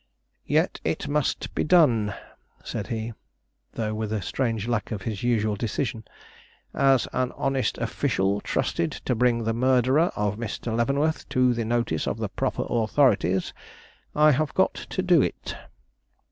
"Yet it must be done," said he, though with a strange lack of his usual decision. "As an honest official, trusted to bring the murderer of Mr. Leavenworth to the notice of the proper authorities, I have got to do it."